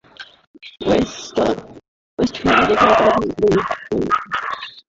Westfield নিজেকে অপরাধী মেনে নেওয়ায় তাঁর বিরুদ্ধে অভিযোগ খারিজ করে দেয় ইসিবি।